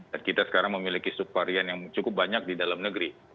dan kita sekarang memiliki subvarian yang cukup banyak di dalam negeri